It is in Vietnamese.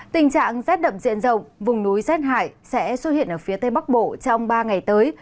tình trạng rét đậm diện rộng vùng núi rét hại sẽ xuất hiện ở phía tây bắc bộ trong ba ngày tới